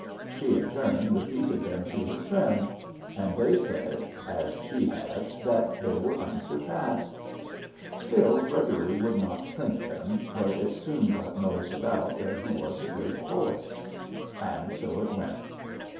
She in turn repeated them to her friends, and they said, as she had, that they were unsurpassed. Still Gregory would not print them, though it soon got noised about that he was a great poet. And so it went.